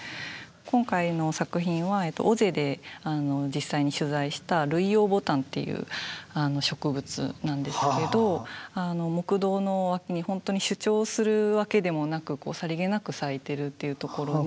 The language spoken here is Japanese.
今回の作品は尾瀬で実際に取材したルイヨウボタンっていう植物なんですけど木道の脇に本当に主張するわけでもなくさりげなく咲いてるというところに。